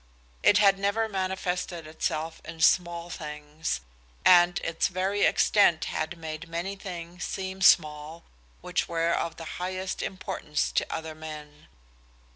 It had never manifested itself in small things, and its very extent had made many things seem small which were of the highest importance to other men.